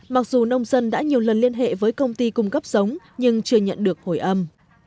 mặc dù nông dân đã nhiều lần liên hệ với công ty cung cấp giống nhưng chưa nhận được hồi âm